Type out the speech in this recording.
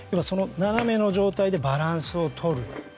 斜めの状態でバランスをとる。